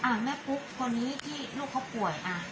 อ่ะแม่ปุ๊บคนนี้ที่ลูกเขาป่วย